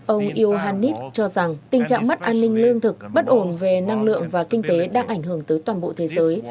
ông iohanis cho rằng tình trạng mất an ninh lương thực bất ổn về năng lượng và kinh tế đang ảnh hưởng tới toàn bộ thế giới